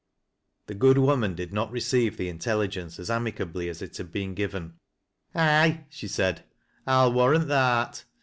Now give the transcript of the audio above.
The good woman did not receive the intelligence as amicably as it had been given. " Aye," she said, " I'll warrant tha art.